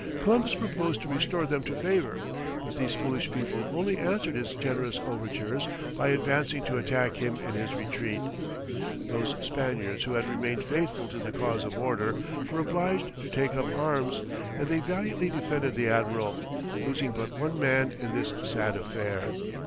Columbus proposed to restore them to favour, but these foolish people only answered his generous overtures by advancing to attack him in his retreat. Those Spaniards who had remained faithful to the cause of order, were obliged to take up arms, and they valiantly defended the admiral, losing but one man in this sad affair.